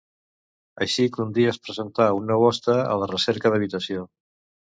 Així que un dia es presentà un nou hoste, a la recerca d'habitació.